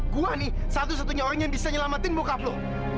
gue nih satu satunya orang yang bisa nyelamatin bokap lu